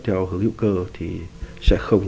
theo hữu cơ thì sẽ không